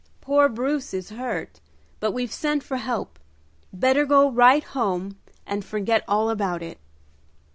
Poor Bruce is hurt, but we've sent for help. Better go right home and forget all about it."